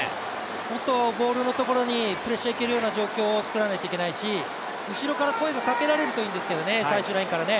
もっとボールのところにプレッシャーいけるような状況を作らないといけないし、後ろから声がかけられるといいんですけどね、最終ラインからね。